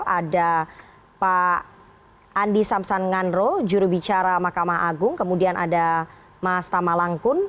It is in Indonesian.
ada pak andi samse julubicara mahkamah agung kemudian ada yang tamabut langkung